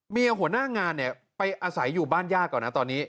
หัวหน้างานเนี่ยไปอาศัยอยู่บ้านญาติก่อนนะตอนนี้